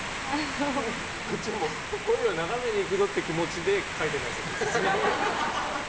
こっちも鯉を眺めに行くぞって気持ちで書いてないですよ、別に。